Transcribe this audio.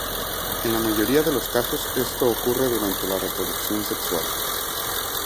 En la mayoría de los casos esto ocurre durante la reproducción sexual.